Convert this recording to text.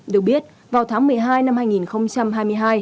được biết vào tháng một mươi hai năm hai nghìn hai mươi hai